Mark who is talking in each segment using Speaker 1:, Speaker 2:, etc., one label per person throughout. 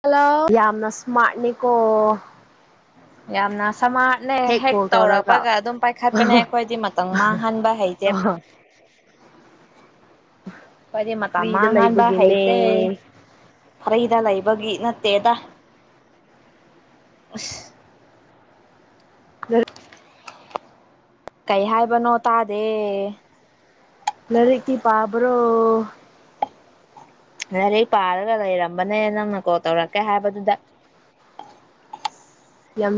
Speaker 1: Hello
Speaker 2: ꯌꯥꯝꯅ ꯁꯃꯥꯔꯠꯅꯤꯀꯣ
Speaker 1: ꯌꯥꯝꯅ ꯁꯃꯥꯖꯅꯦ ꯍꯦꯛ
Speaker 2: ꯀꯣꯜ ꯇꯧꯔꯒ
Speaker 1: ꯇꯧꯔꯛꯄꯒ ꯑꯗꯨꯝ ꯄꯥꯏꯈꯠꯄꯅꯦ ꯑꯩꯈꯣꯏꯗꯤ ꯃꯇꯝ ꯃꯥꯡꯍꯟꯕ ꯍꯩꯇꯦ
Speaker 2: [inaudible]
Speaker 1: ꯀꯣꯏꯗꯤ ꯃꯇꯝ
Speaker 2: ꯐ꯭ꯔꯤꯗ
Speaker 1: ꯃꯥꯡꯍꯥꯟꯕ
Speaker 2: ꯂꯩꯕꯒꯤꯅꯦ
Speaker 1: ꯍꯩꯇꯦ ꯐꯔ ꯁꯤꯗ ꯂꯩꯕꯒꯤ ꯅꯠꯇꯦꯗ ꯑꯁ ꯀꯩ ꯍꯥꯏꯕꯅꯣ ꯇꯥꯗꯦ
Speaker 2: ꯂꯩꯔꯤꯀꯤ ꯄꯥꯕ꯭ꯔꯣ
Speaker 1: ꯂꯥꯏꯔꯤꯛ ꯄꯥꯔꯒ ꯂꯩꯔꯝꯕꯅꯦ ꯅꯪꯅ ꯀꯣꯜ ꯇꯧꯔꯛꯀꯦ ꯍꯥꯏꯕꯗꯨꯗ
Speaker 2: ꯌꯥꯝ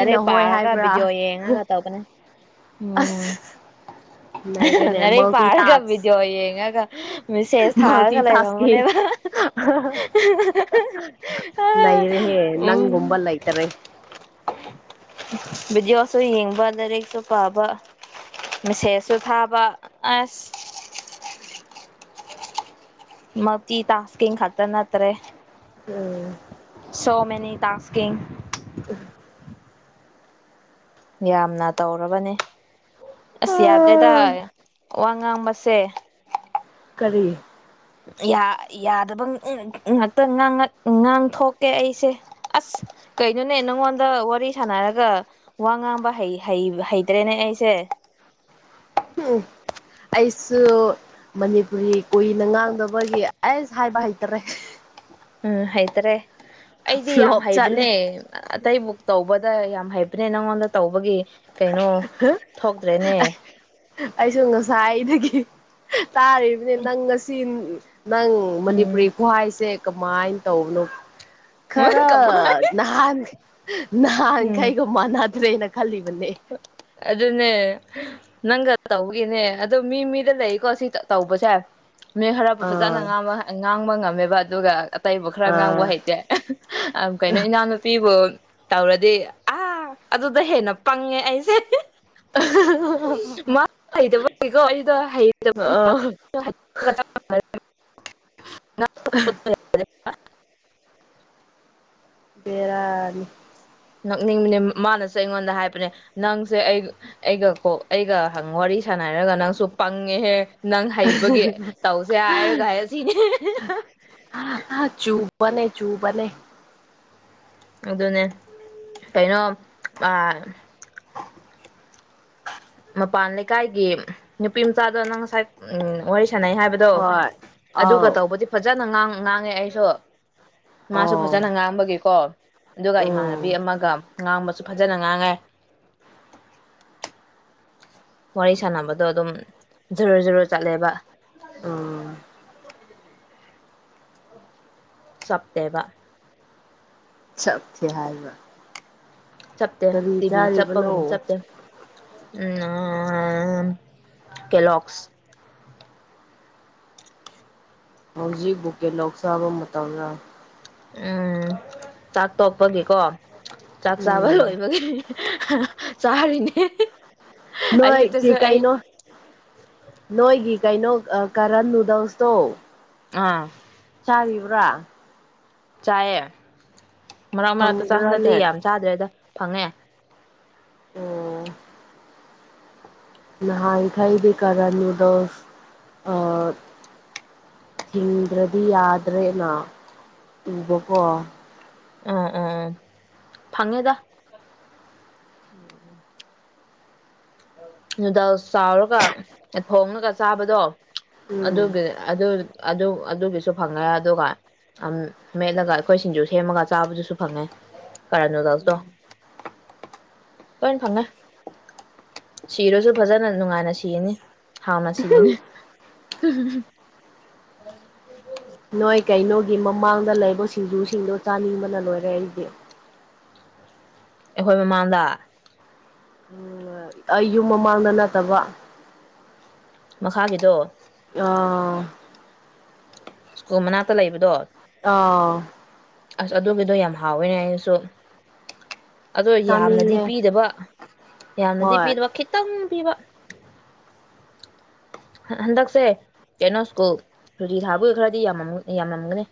Speaker 1: ꯑꯔꯦ
Speaker 2: ꯍꯣꯏ
Speaker 1: ꯄꯥꯔꯒ
Speaker 2: ꯍꯥꯏꯕ꯭ꯔꯥ
Speaker 1: ꯕꯤꯗꯤꯑꯣ ꯌꯦꯡꯉꯒ ꯇꯧꯕꯅꯦ ꯎꯝ
Speaker 2: ꯑꯁ ꯅꯩꯔꯦꯅꯦ
Speaker 1: ꯉꯔꯩ
Speaker 2: ꯃꯜꯇꯤ
Speaker 1: ꯄꯥꯔꯒ
Speaker 2: ꯇꯥꯛꯁ
Speaker 1: ꯚꯤꯗꯤꯑꯣ ꯌꯦꯡꯉꯒ ꯃꯦꯁꯦꯁ
Speaker 2: ꯃꯜꯇꯤ
Speaker 1: ꯊꯥꯔꯒ
Speaker 2: ꯇꯥꯛꯁꯀꯤꯡ
Speaker 1: ꯂꯩꯔꯝꯕꯅꯦꯕ
Speaker 2: ꯅꯩꯔꯦꯍꯦ
Speaker 1: ꯑ ꯎꯝ
Speaker 2: ꯅꯪꯒꯨꯝꯕ ꯂꯩꯇꯔꯦ
Speaker 1: ꯕꯤꯗꯤꯑꯣꯁꯨ ꯌꯦꯡꯕ ꯗꯥꯏꯔꯦꯁꯨ ꯄꯥꯕ ꯃꯦꯁꯦꯖꯁꯨ ꯊꯥꯕ ꯑꯁ ꯃꯗꯤꯤ ꯇꯀꯤꯡ ꯈꯇ ꯅꯠꯇ꯭ꯔꯦ
Speaker 2: ꯎꯝ
Speaker 1: ꯁꯣ ꯇꯥꯁꯀꯤꯡ
Speaker 2: ꯑ
Speaker 1: ꯌꯥꯝꯅ ꯇꯧꯔꯕꯅꯦ ꯑꯁ ꯌꯥꯗ꯭ꯔꯦꯗꯥꯏ ꯋꯥ ꯉꯥꯡꯕꯁꯦ
Speaker 2: ꯀꯔꯤ
Speaker 1: ꯌꯥꯗꯕ ꯉꯥꯛꯇ ꯉꯥꯡꯊꯣꯛꯀꯦ ꯑꯩꯁꯦ ꯑꯁ ꯀꯩꯅꯣꯅꯦ ꯅꯪꯉꯣꯟꯗ ꯋꯥꯔꯤ ꯁꯥꯟꯅꯔꯒ ꯋꯥ ꯉꯥꯡꯕ ꯍꯩꯇ꯭ꯔꯦꯅꯦ ꯑꯩꯁꯦ [inaudible]
Speaker 2: ꯎꯝ ꯑꯩꯁꯨ ꯃꯅꯤꯄꯨꯔꯤ ꯀꯨꯏꯅ ꯉꯥꯡꯗꯕꯒꯤ ꯑꯩꯁ ꯍꯥꯏꯕ ꯍꯩꯇꯔꯦ
Speaker 1: ꯎꯝ ꯍꯩꯇ꯭ꯔꯦ ꯑꯩꯗꯤ ꯌꯥꯝ
Speaker 2: ꯐ꯭ꯂꯣꯞ ꯆꯠꯂꯦ
Speaker 1: ꯍꯩꯕꯅꯦ ꯑꯇꯩꯕꯨꯛ ꯇꯧꯕꯗ ꯌꯥꯝ ꯍꯥꯏꯕꯅꯦ ꯅꯪꯉꯣꯟꯗ ꯇꯧꯕꯒꯤ ꯀꯩꯅꯣ ꯊꯣꯛ
Speaker 2: ꯑꯩꯁꯨ ꯉꯁꯥꯏꯗꯒꯤ ꯇꯥꯔꯤꯕꯅꯤ ꯅꯪ ꯉꯁꯤ ꯅꯪ
Speaker 1: ꯎꯝ
Speaker 2: ꯃꯅꯤꯄꯨꯔꯤ ꯈ꯭ꯍꯏꯁꯦ ꯀꯃꯥꯏꯅ ꯇꯧꯕꯅꯣ
Speaker 1: ꯎꯝ
Speaker 2: ꯈꯔ
Speaker 1: ꯀꯃꯥꯏ
Speaker 2: ꯅꯍꯥꯟ ꯅꯍꯥꯟꯈꯩꯒ ꯃꯅꯥꯗ ꯂꯩꯅ ꯈꯜꯂꯤꯕꯅꯦ
Speaker 1: ꯑꯗꯨ ꯑꯗꯨꯅꯦ ꯅꯪꯒ ꯇꯧꯒꯦꯅꯦ ꯑꯗꯣ ꯃꯤ ꯃꯤꯗ ꯂꯩꯀꯣ ꯁꯤ ꯇꯧꯕꯁꯦ ꯃꯤ ꯍꯥꯔꯞꯄꯨ
Speaker 2: ꯑꯥ
Speaker 1: ꯐꯖꯅꯥꯡꯕ ꯉꯥꯡꯕ ꯉꯝꯃꯦꯕ ꯑꯗꯨꯒ ꯇꯩꯕ ꯈꯔ ꯉꯥꯡꯕ
Speaker 2: ꯑꯥ
Speaker 1: ꯍꯩꯇꯦ ꯀꯩꯅꯣ ꯏꯅꯥꯎꯅꯨꯄꯤꯕꯨ ꯇꯧꯔꯗꯤ ꯑꯥ ꯑꯗꯨꯗ ꯍꯦꯟꯅ ꯄꯪꯉꯦ ꯑꯩꯁꯦ ꯃꯥ ꯍꯩꯇꯕꯩꯀꯣ ꯑꯩꯗꯣ [inaudible]
Speaker 2: ꯑ [inaudible]
Speaker 1: ꯑꯁ
Speaker 2: ꯕꯦꯔꯥꯅꯤ
Speaker 1: ꯅꯛꯅꯤꯡꯕꯅꯦ ꯃꯥꯅꯁꯨ ꯑꯩꯉꯣꯟꯗ ꯍꯥꯏꯕꯅꯦ ꯅꯪꯁꯦ ꯑꯩ ꯑꯩꯒ ꯀꯣꯛ ꯑꯩꯒ ꯋꯥꯔꯤ ꯁꯥꯟꯅ ꯁꯅ ꯍꯥꯏꯔꯒ ꯅꯪꯁꯨ ꯄꯪꯉꯦꯍꯦ ꯅꯪ ꯍꯩꯕꯒꯤ ꯇꯧꯁꯦ ꯍꯥꯏꯔꯒ ꯍꯥꯏꯔ ꯁꯤꯅꯦ
Speaker 2: ꯕꯅꯦ ꯆꯨꯕꯅꯦ
Speaker 1: ꯑꯗꯨꯅꯦ ꯀꯩꯅꯣ ꯑꯥ ꯃꯄꯥꯟ ꯂꯩꯀꯥꯏꯒꯤ ꯅꯨꯄꯤ ꯃꯆꯥꯗꯣ ꯅꯪ ꯉꯁꯥꯏ ꯎ ꯋꯥꯔꯤ ꯁꯥꯟꯅꯩ ꯍꯥꯏꯕꯗꯣ
Speaker 2: ꯍꯣꯏ
Speaker 1: ꯑꯗꯨꯒ
Speaker 2: ꯑꯥꯎ
Speaker 1: ꯇꯧꯕꯗꯤ ꯐꯖꯅ ꯉꯥꯡꯉꯦ ꯑꯩꯁꯨ꯫ ꯃꯥꯁꯨ
Speaker 2: ꯑꯥꯎ
Speaker 1: ꯐꯖꯅ ꯉꯥꯡꯕꯒꯤꯀꯣ ꯑꯗꯨꯒ ꯏꯃꯥꯟꯅꯕꯤ
Speaker 2: ꯎꯝ
Speaker 1: ꯑꯃꯒ ꯉꯥꯡꯕꯁꯨ ꯁꯨ ꯐꯖꯅ ꯉꯥꯡꯉꯦ ꯋꯥꯔꯤ ꯁꯥꯟꯅꯕꯗꯣ ꯑꯗꯨꯝ ꯖꯔꯨ ꯖꯔꯨꯔ ꯆꯠꯂꯦꯕ [inaudible]
Speaker 2: ꯎꯝ
Speaker 1: ꯁꯞꯗꯕ
Speaker 2: ꯆꯠꯈꯤ ꯍꯥꯏꯕ
Speaker 1: ꯆꯞꯠꯇꯦ
Speaker 2: ꯀꯔꯤ
Speaker 1: ꯇꯤꯕꯤ ꯆꯠꯄꯒꯨꯝ
Speaker 2: ꯆꯥꯔꯤꯕꯅꯣ
Speaker 1: ꯆꯞꯇꯦ ꯎꯝ ꯀꯦꯂꯁ
Speaker 2: ꯍꯧꯖꯤꯛ ꯕꯨꯀꯦ ꯂꯧꯁꯥꯕ ꯃꯇꯝꯗ
Speaker 1: ꯎꯝ ꯆꯥꯛ ꯇꯣꯛꯄꯒꯤꯀꯣ ꯆꯥꯛ ꯆꯥꯕ
Speaker 2: ꯎꯝ
Speaker 1: ꯂꯣꯏꯕꯒꯤ ꯆꯥꯔꯤꯅꯦ
Speaker 2: ꯅꯣꯏꯁꯤ
Speaker 1: ꯑꯌꯨꯛꯇꯁꯨ ꯑꯩ
Speaker 2: ꯀꯩꯅꯣ ꯅꯣꯏꯒꯤ ꯀꯩꯅꯣ ꯀꯔꯟ ꯅꯨꯗꯜꯁꯇꯣ
Speaker 1: ꯑꯝ
Speaker 2: ꯆꯥꯔꯤꯕ꯭ꯔꯥ
Speaker 1: ꯆꯥꯏꯑꯦ ꯃꯔꯛ ꯃꯔꯛꯇ ꯆꯥ ꯍꯟꯗꯛꯇꯤ
Speaker 2: ꯐꯪꯕ꯭ꯔꯥꯅꯦ
Speaker 1: ꯌꯥꯝ ꯆꯥꯗ꯭ꯔꯦꯗ ꯐꯪꯉꯦ
Speaker 2: ꯑꯣ ꯅꯍꯥꯏ ꯊꯩꯕꯤ ꯀꯔꯥ ꯅꯨꯗꯜꯁ ꯊꯤꯡꯗ꯭ꯔꯗꯤ ꯌꯥꯗ꯭ꯔꯦꯅ ꯎꯕꯀꯣ
Speaker 1: ꯑꯣ ꯑꯣ ꯐꯪꯉꯦꯗ꯫ ꯅꯨꯗꯜꯁ ꯆꯥꯎꯔꯒ ꯊꯣꯉꯒ ꯆꯥꯕꯗꯣ꯫
Speaker 2: ꯎꯝ
Speaker 1: ꯑꯗꯒ ꯑꯗꯨ ꯑ ꯑꯗꯨ ꯁꯨ ꯐꯪꯉꯦ ꯑꯗꯨꯒ ꯃꯦꯠꯂꯒ ꯑꯩꯈꯣꯏꯁꯤꯡꯁꯨ ꯁꯦꯝꯃꯒ ꯆꯥꯕꯗꯨꯁꯨ ꯐꯪꯉꯦ꯫ ꯀꯔ ꯅꯨꯗꯜꯁꯗꯣ ꯂꯣꯏꯅ ꯐꯪꯉꯦ꯫ ꯁꯤꯔꯁꯨ ꯐꯖꯅ ꯅꯨꯡꯉꯥꯏꯅ ꯁꯤꯔꯅꯤ꯫ ꯊꯥꯎꯅ ꯁꯤꯅꯦ꯫
Speaker 2: ꯅꯣꯏ ꯀꯩꯅꯣꯒꯤ ꯃꯃꯥꯡꯗ ꯂꯩꯕ ꯁꯤꯡꯖꯨꯁꯤꯡꯗꯨ ꯆꯥꯅꯤꯡꯕꯅ ꯂꯣꯏꯔꯦ ꯑꯩꯗꯤ꯫
Speaker 1: ꯑꯩꯈꯣꯏ ꯃꯃꯥꯡꯗ꯫
Speaker 2: ꯎꯝ ꯑꯩ ꯌꯨꯝ ꯃꯃꯥꯡꯗ ꯅꯠꯇꯕ
Speaker 1: ꯈꯥꯒꯤꯗꯣ꯫
Speaker 2: ꯑꯥ꯫
Speaker 1: ꯁ꯭ꯀꯨꯜ ꯃꯅꯥꯛꯇ ꯂꯩꯕꯗꯣ꯫
Speaker 2: ꯑꯥꯎ꯫
Speaker 1: ꯑꯁ ꯑꯗꯨꯒꯤꯗꯣ ꯌꯥꯝ ꯍꯥꯎꯋꯦꯅꯦ ꯑꯩꯅꯁꯨ꯫ ꯑꯗꯣ ꯌꯥꯝꯅꯗꯤ
Speaker 2: ꯆꯥꯅꯤꯡꯉꯦ
Speaker 1: ꯄꯤꯗꯕ ꯌꯥꯝꯅꯗꯤ
Speaker 2: ꯍꯣꯏ
Speaker 1: ꯄꯤꯗꯕ ꯈꯤꯇꯪ ꯄꯤꯕ꯫ ꯍꯟꯗꯛꯁꯦ ꯀꯩꯅꯣ ꯁ꯭ꯀꯨꯜ ꯁꯨꯇꯤ ꯊꯥꯕꯒꯤ ꯈꯔꯗꯤ ꯌꯥꯝ ꯌꯥꯝꯃꯝꯒꯅꯤ꯫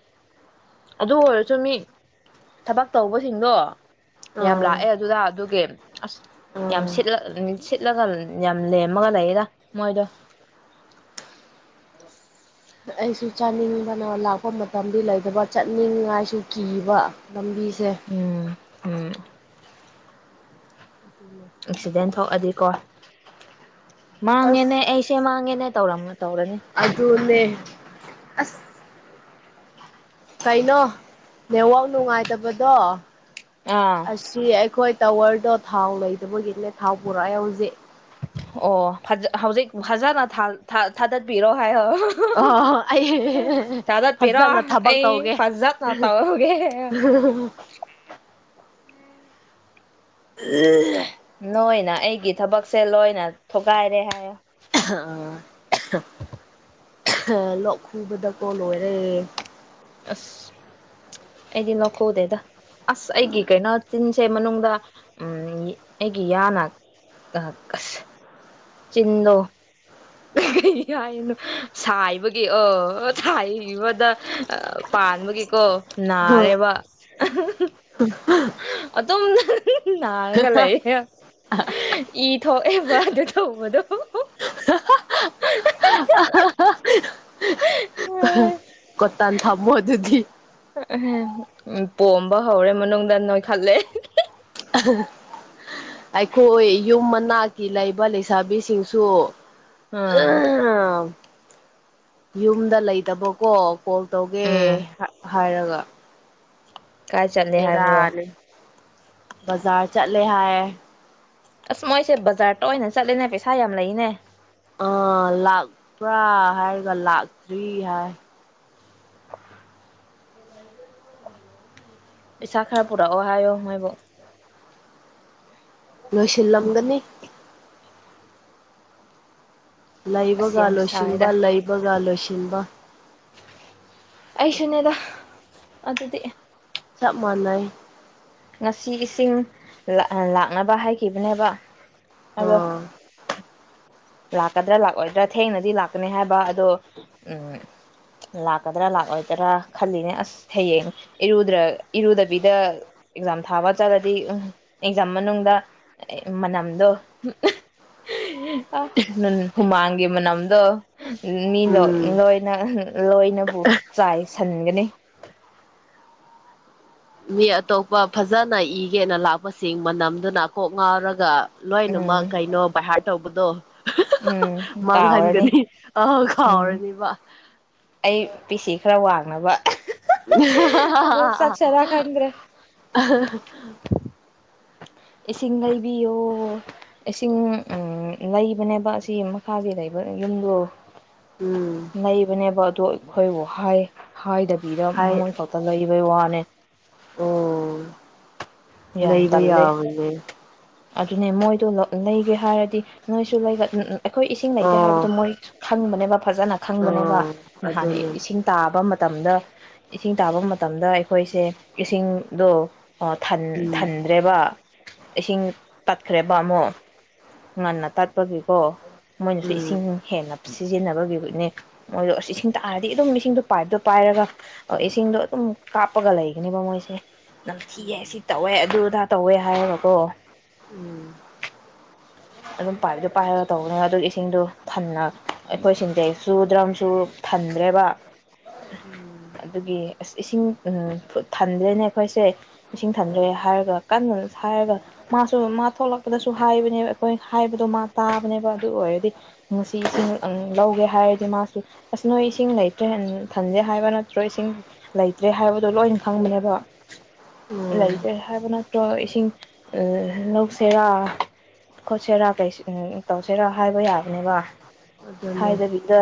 Speaker 1: ꯑꯗꯨ ꯑꯣꯏꯔꯁꯨ ꯃꯤ ꯊꯕꯛ ꯇꯧꯕꯁꯤꯡꯗꯣ ꯌꯥꯝ
Speaker 2: ꯑꯥ
Speaker 1: ꯂꯥꯛꯑꯦ ꯑꯗꯨꯗ ꯑꯗꯨꯒꯤ ꯑꯁ ꯌꯥꯝ
Speaker 2: ꯑꯥ
Speaker 1: ꯁꯤꯠꯂ ꯁꯤꯠꯂꯒ ꯌꯥꯝ ꯂꯦꯝꯃꯒ ꯂꯩꯗ ꯃꯣꯏꯗꯣ꯫
Speaker 2: ꯑꯩꯁꯨ ꯆꯥꯅꯤꯡꯕꯅ ꯂꯥꯛꯄ ꯃꯇꯝꯗꯤ ꯂꯩꯗꯕ ꯆꯥꯅꯤꯡꯉꯥꯏꯁꯨ ꯀꯤꯕ꯫ ꯂꯝꯕꯤꯁꯦ꯫
Speaker 1: ꯎꯝ ꯎꯝ ꯑꯦꯛꯁꯤꯗꯦꯟ ꯊꯣꯛꯑꯗꯤꯀꯣ꯫ ꯃꯥꯡꯉꯦꯅꯦ
Speaker 2: ꯑꯁ
Speaker 1: ꯑꯩꯁꯦ ꯃꯥꯡꯉꯦꯅꯦ ꯇꯧꯔꯝ ꯇꯧꯔꯅꯤ꯫
Speaker 2: ꯑꯗꯨꯅꯦ ꯑꯁ꯫ ꯀꯩꯅꯣ ꯅꯦꯠꯋꯥꯛ ꯅꯨꯡꯉꯥꯏꯇꯕꯗꯣ
Speaker 1: ꯑꯥ
Speaker 2: ꯑꯁꯤ ꯑꯩꯈꯣꯏ ꯇꯋꯔꯗꯣ ꯊꯥꯎ ꯂꯩꯗꯕꯒꯤꯅꯦ ꯊꯥꯎ ꯄꯨꯔꯛꯑꯦ ꯍꯧꯖꯤꯛ꯫
Speaker 1: ꯑꯣ ꯍꯧꯖꯤꯛ ꯐꯖꯅ ꯊꯥ ꯊꯥ ꯊꯥꯗꯠꯄꯤꯔꯣ꯫
Speaker 2: ꯑꯣ
Speaker 1: ꯍꯥꯏꯌꫭ
Speaker 2: ꯑꯩ
Speaker 1: ꯊꯥꯗꯠꯄꯤꯔꯣ
Speaker 2: ꯐꯖꯅ ꯊꯕꯛ
Speaker 1: ꯑꯩ
Speaker 2: ꯇꯧꯒꯦ
Speaker 1: ꯐꯖꯠꯅ ꯇꯧꯒꯦ꯫ ꯀ
Speaker 2: ꯌꯦ
Speaker 1: ꯅꯣꯏꯅ ꯑꯩꯒꯤ ꯊꯕꯛꯁꯦ ꯂꯣꯏꯅ ꯊꯣꯒꯥꯏꯔꯦ ꯍꯥꯏ
Speaker 2: ꯑꯥ꯫ ꯂꯣꯛ ꯈꯨꯕꯗ ꯀꯣ ꯂꯣꯏꯔꯦ꯫
Speaker 1: ꯑꯁ ꯑꯩꯗꯤ ꯂꯈꯧꯗꯦꯗ꯫ ꯑꯁ ꯑꯩꯒꯤ ꯀꯩꯅꯣ ꯆꯤꯟꯁꯦ ꯃꯅꯨꯡꯗ ꯎ ꯑꯩꯒꯤ ꯌꯥꯅ ꯑꯁ ꯆꯤꯟꯗꯣ ꯌꯥꯏꯅꯨ ꯁꯥꯏꯕꯒꯤ ꯑ ꯁꯥꯏꯕꯗ ꯄꯥꯟꯕꯒꯤꯀꯣ ꯅꯥꯔꯦꯕ ꯑꯗꯨꯝ꯫ ꯅꯥꯔꯒ ꯂꯩꯌꯦ꯫ ꯏ ꯊꯣꯛ ꯑꯦꯕ ꯑꯗꯨ ꯇꯧꯕꯗꯣ꯫
Speaker 2: [unintelligible]
Speaker 1: [unintelligible]
Speaker 2: ꯀ ꯀꫭꯇꯟ ꯊꯝꯃꯣ ꯑꯗꯨꯗꯤ꯫
Speaker 1: ꯎ ꯄꯣꯝꯕ ꯍꯧꯔꯦ ꯃꯅꯨꯡꯗ ꯅꯣꯏ ꯈꯠꯂꯦ꯫
Speaker 2: ꯑꯩꯈꯣꯏ ꯌꯨꯝ ꯃꯅꯥꯛꯀꯤ ꯂꯩꯕ ꯂꯩꯁꯥꯕꯤꯁꯤꯡꯁꯨ
Speaker 1: ꯑꯥ
Speaker 2: ꯌꯨꯝꯗ ꯂꯩꯇꯕꯀꯣ꯫ ꯀꯣꯜ ꯇꯧꯒꯦ
Speaker 1: ꯎꯝ
Speaker 2: ꯍꯥꯏꯔꯒ
Speaker 1: ꯀꯥꯏ ꯆꯠꯂꯤ ꯍꯥꯏꯕ꯭ꯔꯣ꯫
Speaker 2: ꯕꯦꯔꯥꯅꯤ ꯕꯖꯥꯔ ꯆꯠꯂꯦ ꯍꯥꯏꯌꯦ꯫
Speaker 1: ꯑꯁ ꯃꯣꯏꯁꯦ ꯕꯖꯥꯔꯇ ꯑꯣꯏꯅ ꯆꯠꯂꯦꯅꯦ ꯄꯩꯁꯥ ꯌꯥꯝ ꯂꯩꯅꯦ
Speaker 2: ꯑꯥ ꯂꯥꯛꯄ꯭ꯔꯥ ꯍꯥꯏꯔꯒ ꯂꯥꯛꯇ꯭ꯔꯤ ꯍꯥꯏ
Speaker 1: ꯄꯩꯁꯥ ꯈꯔ ꯄꯨꯔꯛꯑꯣ ꯍꯥꯏꯌꯣ ꯍꯥꯏꯣꯏꯕ
Speaker 2: ꯂꯣꯏꯁꯤꯜꯂꯝꯒꯅꯤ
Speaker 1: ꯑꯁ ꯌꯥꯝ
Speaker 2: ꯂꯩꯕꯒꯂꯣꯆꯕ
Speaker 1: ꯁꯥꯏꯗ
Speaker 2: ꯂꯩꯕꯒꯂꯣꯆꯟꯕ
Speaker 1: ꯑꯩꯁꯨꯅꯦꯗ ꯑꯗꯨꯗꯤ
Speaker 2: ꯆꯞ ꯃꯥꯟꯅꯏ
Speaker 1: ꯉꯁꯤ ꯏꯁꯤꯡ ꯂꯥꯛꯅꯕ ꯍꯥꯏꯈꯤꯕꯅꯦꯕ ꯑꯗꯣ
Speaker 2: ꯑꯥ
Speaker 1: ꯂꯥꯛꯀꯗ꯭ꯔꯥ ꯂꯥꯛꯑꯣꯏꯗ꯭ꯔꯥ ꯊꯦꯡꯅꯗꯤ ꯂꯥꯛꯀꯅꯤ ꯍꯥꯏꯕ ꯑꯗꯣ ꯎꯝ ꯂꯥꯛꯀꯗ꯭ꯔꯥ ꯂꯥꯛꯑꯣꯣꯏꯗ꯭ꯔꯥ ꯈꯜꯂꯤꯅꯦ ꯑꯁ ꯍꯌꯦꯡꯔꯗ꯭ꯔ ꯏꯔꯨꯗꯕꯤꯗ ꯑꯦꯛꯖꯥꯝ ꯊꯥꯕ ꯆꯠꯂꯗꯤ ꯎ ꯑꯦꯛꯖꯥꯝ ꯃꯅꯨꯡꯗ ꯃꯅꯝꯗꯣ [unintelligible] ꯍꯨꯃꯥꯡꯒꯤ ꯃꯅꯝꯗꯣ ꯃꯤ
Speaker 2: ꯎꯝ
Speaker 1: ꯂꯣꯏꯅ ꯂꯣꯏꯅꯕꯨ ꯆꯥꯏ ꯁꯟꯒꯅꯤ
Speaker 2: ꯃꯤ ꯑꯇꯣꯞꯄ ꯐꯖꯅ ꯏꯒꯦꯅ ꯂꯥꯛꯄꯁꯤꯡ ꯃꯅꯝꯗꯨꯅ ꯀꯣꯛ ꯉꯥꯎꯔꯒ ꯂꯣꯏꯅꯃꯛ
Speaker 1: ꯎꯝ
Speaker 2: ꯀꯩꯅꯣ ꯚꯩꯍꯥꯔ ꯇꯧꯕꯗꯣ
Speaker 1: ꯎꯝ ꯇꯥꯎꯔꯅꯤ
Speaker 2: ꯃꯥꯡꯍꯟꯒꯅꯤ ꯑꯥ
Speaker 1: ꯎꯝ
Speaker 2: ꯀꯥꯎꯔꯅꯤꯕ
Speaker 1: ꯑꯩ ꯄꯤꯁꯤ ꯈꯔ ꯋꯥꯡꯅꯕ ꯑꯗꯨ ꯆꯠꯁꯤꯔꯥ ꯈꯪꯗ꯭ꯔꯦ
Speaker 2: [unintelligible]
Speaker 1: ꯏꯁꯤꯡ ꯂꯩꯕꯤꯌꯣ ꯏꯁꯤꯡ ꯂꯩꯕꯅꯦꯕ ꯑꯁꯤ ꯃꯈꯥꯒꯤ ꯂꯩꯕ ꯌꯨꯝꯗ
Speaker 2: ꯎꯝ
Speaker 1: ꯂꯩꯕꯅꯦꯕ ꯑꯗꯨ ꯑꯩꯈꯣꯏꯕꯨ ꯍꯥꯏꯗꯕ ꯗ
Speaker 2: ꯍꯥꯏ
Speaker 1: ꯃꯣꯏ ꯐꯛꯇ ꯂꯩꯕꯩ ꯋꯥꯅꯦ
Speaker 2: ꯑꯣ
Speaker 1: ꯌꯥꯝ
Speaker 2: ꯂꯩꯕꯩ
Speaker 1: ꯇꯜꯂꯦ
Speaker 2: ꯑꯕꯏꯅꯦ
Speaker 1: ꯑꯗꯨꯅꯦ ꯃꯣꯏꯗꯣ ꯂꯩꯒꯦ ꯍꯥꯏꯔꯗꯤ ꯅꯣꯏꯁꯨ ꯂꯩ ꯑꯩꯈꯣꯏ ꯏꯁꯤꯡ ꯂꯩꯇꯦ
Speaker 2: ꯑꯣ
Speaker 1: ꯍꯥꯏꯕꯗꯣ ꯃꯣꯏ ꯈꯪꯕꯅꯦꯕ ꯐꯖꯅ ꯈꯪꯕꯅꯦꯕ
Speaker 2: ꯑꯣ
Speaker 1: ꯅꯍꯥꯟ
Speaker 2: ꯑꯗꯨꯅꯦ
Speaker 1: ꯏꯁꯤꯡ ꯇꯥꯕ ꯃꯇꯝꯗ ꯏꯁꯤꯡ ꯇꯥꯕ ꯃꯇꯝꯗ ꯑꯩꯈꯣꯏꯁꯦ ꯏꯁꯤꯡꯗꯣ
Speaker 2: ꯎꯝ
Speaker 1: ꯊꯟꯗ꯭ꯔꯦꯕ ꯏꯁꯤꯡ ꯇꯠꯈ꯭ꯔꯦꯕ ꯑꯃꯨꯛ ꯉꯟꯅ ꯇꯠꯄꯒꯤꯀꯣ ꯃꯣꯏꯅꯁꯨ
Speaker 2: ꯎꯝ
Speaker 1: ꯏꯁꯤꯡ ꯍꯦꯟꯅ ꯄꯤ ꯁꯤꯖꯤꯟꯅꯕꯒꯤꯅꯦ ꯃꯣꯏꯗꯣ ꯑꯁ ꯏꯁꯤꯡ ꯇꯥꯔꯗꯤ ꯑꯗꯨꯝ ꯏꯁꯤꯡꯗꯣ ꯄꯥꯏꯞꯇꯣ ꯄꯥꯏꯔꯒ ꯏꯁꯤꯡꯗꯣ ꯑꯗꯨꯝ ꯀꯥꯞꯄꯒ ꯂꯩꯒꯅꯦꯕ ꯃꯣꯏꯁꯦ ꯅꯝꯊꯤꯌꯦ
Speaker 2: ꯎꯝ
Speaker 1: ꯁꯤ ꯇꯧꯋꯦ ꯑꯗꯨ ꯑꯗꯥ ꯇꯧꯋꯦ ꯍꯥꯏꯌꯦꯕꯀꯣ
Speaker 2: ꯎꯝ
Speaker 1: ꯑꯗꯨꯝ ꯄꯥꯏꯞꯇꯣ ꯄꯥꯏꯔꯒ ꯇꯧꯕꯅꯤꯅ ꯑꯗꯨꯒꯤ ꯏꯁꯤꯡꯗꯣ ꯊꯟꯅ ꯑꯩꯈꯣꯏ ꯁꯤꯟꯗꯩ ꯁꯨ ꯗ꯭ꯔꯝꯁꯨ ꯊꯟꯗ꯭ꯔꯦꯕ
Speaker 2: ꯎꯝ
Speaker 1: ꯑꯗꯨꯒꯤ ꯑꯁ ꯏꯁꯤꯡ ꯊꯟꯗ꯭ꯔꯦꯅꯦ ꯑꯩꯈꯣꯏꯁꯦ ꯏꯁꯤꯡ ꯊꯟꯗ꯭ꯔꯦ ꯍꯥꯏꯔꯒ ꯀꯟꯅ ꯍꯥꯏꯔꯒ ꯃꯥꯁꯨ ꯃꯥ ꯊꯣꯛꯂꯛꯄꯗꯁꯨ ꯍꯥꯏꯕꯅꯦꯕ ꯑꯩꯈꯣꯏ ꯍꯥꯏꯕꯗꯣ ꯃꯥ ꯇꯥꯕꯅꯦꯕ ꯑꯗꯨ ꯑꯣꯏꯔꯗꯤ ꯉꯁꯤ ꯏꯁꯤꯡ ꯂꯧꯒꯦ ꯍꯥꯏꯔꯗꯤ ꯃꯥꯁꯨ ꯑꯁ ꯅꯣꯏ ꯏꯁꯤꯡ ꯂꯩꯇ꯭ꯔꯦ ꯊꯟꯖꯩ ꯍꯥꯏꯕ ꯅꯠꯇ꯭ꯔꯣ ꯏꯁꯤꯡ ꯂꯩꯇ꯭ꯔꯦ ꯍꯥꯏ ꯍꯥꯏꯕꯗꯣ ꯂꯣꯏꯅ ꯈꯪꯉꯅꯦꯕ
Speaker 2: ꯎꯝ
Speaker 1: ꯂꯩꯇꯦ ꯍꯥꯏꯕ ꯅꯠꯇ꯭ꯔꯣ ꯏꯁꯤꯡ ꯂꯧꯁꯤꯦꯔꯥ ꯈꯣꯠꯁꯦꯔꯥ ꯇꯧꯁꯦꯔꯥ ꯍꯥꯏꯕ ꯌꯥꯕꯅꯦꯕ
Speaker 2: ꯑꯗꯨꯅꯦ
Speaker 1: ꯍꯥꯏꯗꯕꯤꯗ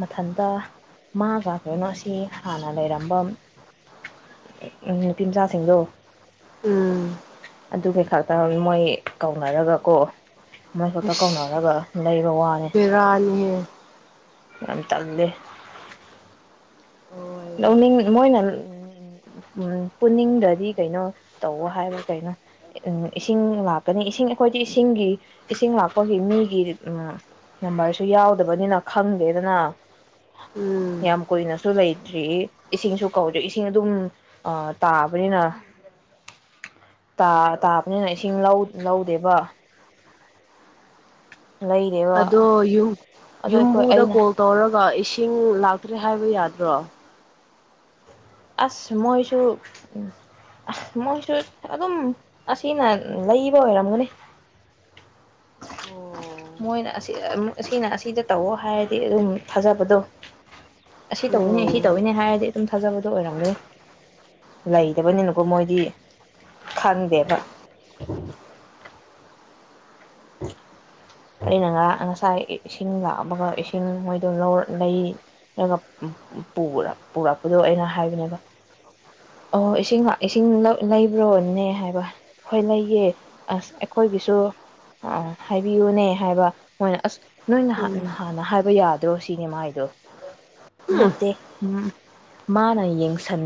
Speaker 1: ꯃꯊꯟꯇ ꯃꯥꯒ ꯀꯩꯅꯣꯁꯤ ꯍꯥꯟꯅ ꯂꯩꯔꯝꯕ ꯎ ꯎꯝ ꯅꯨꯄꯤ ꯃꯆꯥꯁꯤꯡꯗꯣ
Speaker 2: ꯎꯝ
Speaker 1: ꯑꯗꯨ ꯀꯩ ꯈꯥ ꯇꯥꯔ ꯃꯣꯏ ꯀꯧꯅꯔꯒ ꯀꯣ ꯃꯣꯏ ꯁꯣꯇ
Speaker 2: ꯑꯁ
Speaker 1: ꯀꯧꯅꯔꯒ ꯂꯩꯕ ꯋꯥꯅꯤ
Speaker 2: ꯕꯦꯔꯥꯅꯤꯍꯦ
Speaker 1: ꯉ ꯇꯦ
Speaker 2: ꯍꯣꯏꯕ
Speaker 1: ꯎꯅꯤꯡ ꯃꯣꯏꯅ ꯎ ꯄꯨꯅꯤꯡꯗꯗꯤ ꯀꯩꯅꯣ ꯇꯧꯋ ꯍꯥꯏꯕ ꯀꯩꯅꯣ ꯏꯁꯤꯡ ꯂꯥꯛꯀꯅꯤ ꯏꯁꯤꯡ ꯑꯩꯈꯣꯏꯗꯤ ꯏꯁꯤꯡꯒꯤ ꯏꯁꯤꯡ ꯂꯥꯛꯄꯒꯤ ꯃꯤꯒꯤ ꯎ ꯅꯝꯕꯔꯁꯨ ꯌꯥꯎꯗꯕꯅꯤꯅ ꯈꯪꯗꯦꯗꯅ
Speaker 2: ꯎꯝ
Speaker 1: ꯌꯥꯝ ꯀꯨꯏꯅꯁꯨ ꯂꯩ ꯍꯧ ꯏꯁꯤꯡꯁꯨ ꯀꯧꯗꯦ ꯏꯁꯤꯡ ꯑꯗꯨꯝ ꯇꯥꯕꯅꯤꯅ ꯇꯥꯕꯅꯤꯅ ꯏꯁꯤꯡ ꯂꯧꯗꯦꯕ ꯂꯩꯔꯦꯕ
Speaker 2: ꯑꯗꯣ ꯌꯨꯝ ꯌꯨꯝꯕꯨꯗ ꯀꯣꯜ ꯇꯧꯔꯒ ꯏꯁꯤꯡ ꯂꯥꯛꯇ꯭ꯔꯦ ꯍꯥꯏꯕ ꯌꯥꯗ꯭ꯔꯣ
Speaker 1: ꯑꯁ ꯃꯣꯏꯁꯨ ꯑꯁ ꯃꯣꯏꯁꯨ ꯑꯗꯨꯝ ꯑꯁꯤꯅ ꯂꯩꯕ ꯑꯣꯏꯔꯝꯒꯅꯤ
Speaker 2: ꯎꯝ
Speaker 1: ꯃꯣꯏꯅ ꯑꯁꯤ ꯑꯁꯤꯅ ꯑꯁꯤꯗ ꯇꯧꯑꯣ ꯍꯥꯏꯔꯗꯤ ꯑꯗꯨꯝ ꯊꯥꯖꯕꯗꯣ ꯑꯁꯤ ꯇꯧꯏꯤꯅꯦ ꯁꯤ
Speaker 2: ꯎꯝ
Speaker 1: ꯇꯧꯤꯅꯦ ꯍꯥꯏꯔꯗꯤ ꯑꯗꯨꯝ ꯊꯥꯖꯕꯗꯣ ꯑꯣꯏꯔꯝꯒꯦ ꯂꯩꯗꯕꯅꯤꯅꯀꯣ ꯃꯣꯏꯗꯤ ꯈꯪꯗꯦꯕ ꯑꯩꯅ ꯉꯔꯥꯡ ꯉꯁꯥꯏ ꯏꯁꯤꯡ ꯂꯥꯛꯑꯕꯒ ꯏꯁꯤꯡ ꯃꯣꯏꯗꯣ ꯂꯩ ꯑꯗꯨꯒ ꯄꯨꯔꯛꯄꯗꯣ ꯑꯩꯅ ꯍꯥꯏꯕꯅꯦꯕ ꯑꯣ ꯏꯁꯤꯡ ꯏꯁꯤꯡ ꯂꯩꯕ꯭ꯔꯣꯅꯦ ꯍꯥꯏꯕ ꯍꯣꯏ ꯂꯩꯌꯦꯦ ꯑꯁ ꯑꯩꯈꯣꯏꯒꯤꯁꯨ ꯁꯨꯣ ꯑ ꯑ ꯍꯥꯏꯕꯤꯌꯨꯅꯦ ꯍꯥꯏꯕ ꯃꯣꯏꯅ ꯑꯁ ꯅꯣꯏꯅ ꯍꯥꯟꯅ ꯍꯥꯏꯕ ꯌꯥꯗ꯭ꯔꯣ ꯁꯤꯅꯦ ꯃꯥꯏꯗꯣ
Speaker 2: ꯎꯝ
Speaker 1: ꯅꯠꯇꯦ ꯃꯥꯅ ꯌꯦꯡꯁꯟ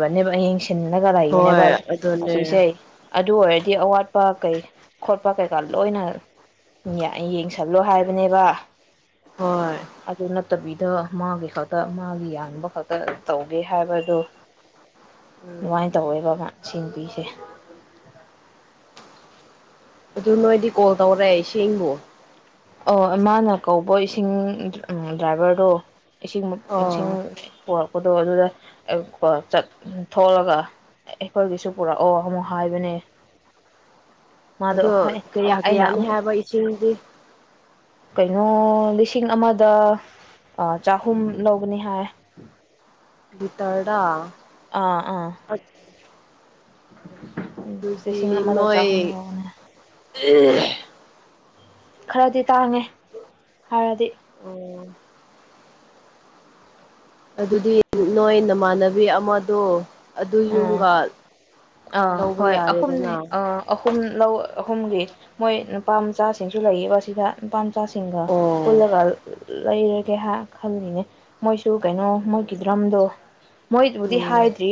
Speaker 1: ꯕꯅꯦꯕ ꯌꯦꯡ ꯁꯤꯜꯂꯒ ꯂꯩꯥꯛꯕꯅꯦꯕ
Speaker 2: ꯍꯣꯏ ꯑꯗꯨꯅꯦ
Speaker 1: ꯑꯁꯤꯁꯦ ꯑꯗꯨ ꯑꯣꯏꯔ ꯑꯋꯥꯠꯄ ꯀꯩ ꯈꯣꯠꯄ ꯀꯩꯀꯥ ꯂꯣꯏꯅ ꯌꯦꯡꯁꯜꯂꯣ ꯍꯥꯏꯕꯅꯦꯕ
Speaker 2: ꯍꯣꯏ
Speaker 1: ꯐꯠꯇꯕꯤꯗ ꯃꯥꯒꯤ ꯈꯛꯇ ꯃꯥꯒꯤ ꯌꯥꯟꯕ ꯈꯛꯇ ꯇꯧꯒꯦ ꯍꯥꯏꯕꯗ
Speaker 2: ꯎꯝ
Speaker 1: ꯅꯨꯡꯉꯥꯏꯅ ꯇꯧꯋꯦꯕ ꯁꯤꯟꯕꯤꯁꯦ
Speaker 2: ꯑꯗꯨ ꯅꯣꯏꯗꯤ ꯀꯣꯜ ꯇꯧꯔꯛꯑꯦ ꯏꯁꯤꯡꯕꯨ
Speaker 1: ꯑꯣ ꯏꯃꯥꯅ ꯀꯧꯕ ꯏꯁꯤꯡ ꯗ꯭ꯔꯥꯏꯚꯔꯗꯣ ꯏꯁꯤꯡ ꯏꯁꯤꯡ
Speaker 2: ꯑꯣ
Speaker 1: ꯄꯣꯔꯛꯄꯗꯣ ꯑꯗꯨꯗ ꯊꯣꯛꯂꯒ ꯑꯩꯈꯣꯏꯒꯤꯁꯨ ꯄꯨꯔꯛꯑꯣ ꯑꯃꯨꯛ ꯍꯥꯏꯕꯅꯦ ꯃꯥꯗꯣ
Speaker 2: ꯑꯗꯣ
Speaker 1: ꯍꯣꯏ
Speaker 2: ꯀꯌꯥ
Speaker 1: ꯑꯩꯅ
Speaker 2: ꯀꯌꯥꯅꯤ
Speaker 1: ꯑꯃꯨꯛ
Speaker 2: ꯍꯥꯏꯕ ꯏꯁꯤꯡꯗꯤ
Speaker 1: ꯀꯩꯅꯣ ꯂꯤꯁꯤꯡ ꯑꯃꯗ ꯑ ꯆꯍꯨꯝ ꯂꯧꯕꯅꯤ ꯍꯥꯏ
Speaker 2: ꯕꯤꯇꯥꯔꯗꯥ
Speaker 1: ꯑꯥ ꯑꯥ
Speaker 2: ꯑꯗꯨꯗꯤ
Speaker 1: ꯎꯁꯤꯡ ꯑꯃꯗ ꯆꯥꯍꯨꯝ
Speaker 2: ꯅꯣꯏ
Speaker 1: ꯂꯅꯦ ꯈꯔꯗꯤ ꯇꯥꯡꯉꯦ ꯍꯥꯏꯔꯗꯤ
Speaker 2: ꯑꯣ ꯑꯗꯨꯗꯤ ꯅꯣꯏ ꯅꯃꯥꯟꯅꯕꯤ ꯑꯃꯗꯣ ꯑꯗꯨ
Speaker 1: ꯎꯝ
Speaker 2: ꯌꯨꯝꯒ
Speaker 1: ꯑꯥ
Speaker 2: ꯂꯧꯕ
Speaker 1: ꯍꯣꯏ ꯑꯍꯨꯝꯅꯤ
Speaker 2: ꯌꯥꯔꯦꯗꯅ
Speaker 1: ꯑ ꯑꯍꯨꯝ ꯂꯧ ꯑꯍꯨꯝꯒꯤ ꯃꯣꯏ ꯅꯨꯄꯥ ꯃꯆꯥꯁꯤꯡꯁꯨ ꯂꯩꯌꯦꯀ ꯁꯤꯗ ꯅꯨꯄꯥ ꯃꯆꯥꯁꯤꯡꯒ
Speaker 2: ꯑꯣ
Speaker 1: ꯄꯨꯜꯂꯒ ꯂꯩꯔꯒꯦ ꯍꯥꯏ ꯈꯜꯂꯤꯅꯦ ꯃꯣꯏꯁꯨ ꯀꯩꯅꯣ ꯃꯣꯏꯒꯤ ꯗ꯭ꯔꯝꯗꯣ ꯃꯣꯏꯕꯨꯗꯤ
Speaker 2: ꯎꯝ
Speaker 1: ꯍꯥꯏꯗ꯭ꯔꯤ